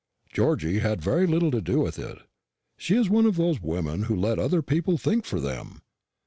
"Georgy had very little to do with it. She is one of those women who let other people think for them.